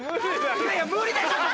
無理だろ。